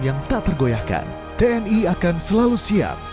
yang tak tergoyahkan tni akan selalu siap